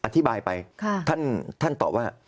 อธิบายไปท่านตอบว่า